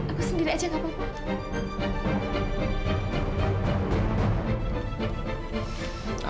aku sendiri aja gak apa apa